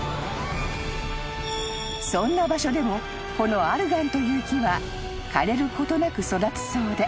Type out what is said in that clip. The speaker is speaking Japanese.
［そんな場所でもこのアルガンという木は枯れることなく育つそうで］